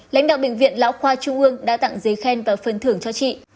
lãnh đạo bệnh viện lão khoa trung ương đã tặng giấy khen và phần thưởng cho chị